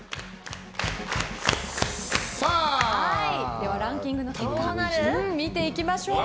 では、ランキングを見ていきましょう。